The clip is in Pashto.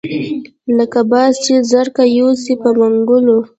لکه باز چې زرکه یوسي په منګلو